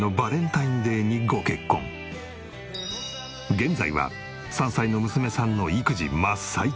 現在は３歳の娘さんの育児真っ最中。